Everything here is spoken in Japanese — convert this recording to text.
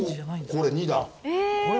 これ、２段。